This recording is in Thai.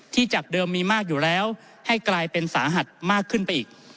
จากเดิมมีมากอยู่แล้วให้กลายเป็นสาหัสมากขึ้นไปอีก